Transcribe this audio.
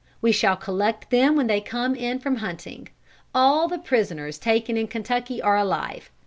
We shall collect them when they come in from hunting. All the prisoners taken in Kentucky are alive.